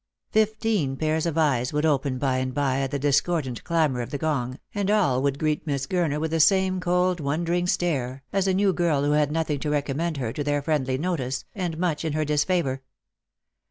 Fifteen pairs of eyes would open by and by at the discordant clamour of the gong, and all would greet Miss Gurner with the same cold wondering stare, as a new girl who had nothing to recom mend her to their friendly notice, and much in her disfavour.